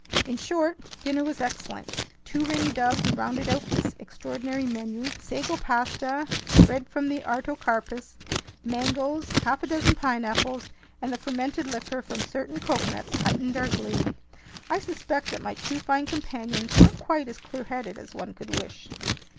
In short, dinner was excellent. Two ringdoves rounded out this extraordinary menu. Sago pasta, bread from the artocarpus, mangoes, half a dozen pineapples, and the fermented liquor from certain coconuts heightened our glee. I suspect that my two fine companions weren't quite as clearheaded as one could wish.